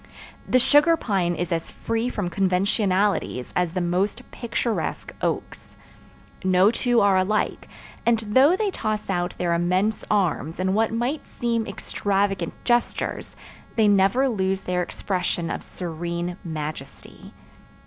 The sugar pine is as free from conventionalities as the most picturesque oaks. No two are alike, and though they toss out their immense arms in what might seem extravagant gestures they never lose their expression of serene majesty.